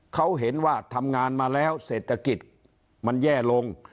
เขาเห็นว่าทำงานมาแล้วเศรษฐกิจมันแย่ลง